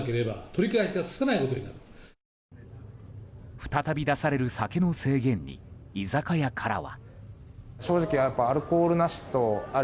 再び出せれる酒の制限に居酒屋からは。